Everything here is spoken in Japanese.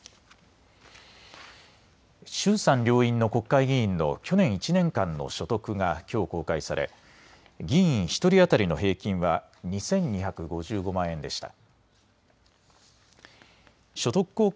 衆参両院の国会議員の去年１年間の所得がきょう公開され議員１人当たりの平均は２２５５万円でした。